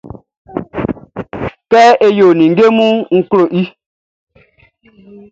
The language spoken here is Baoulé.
Kɛ e yo ninnge munʼn, n klo i.